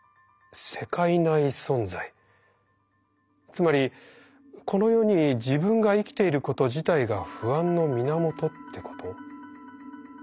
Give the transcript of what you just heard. つまりこの世に自分が生きていること自体が不安の源ってこと？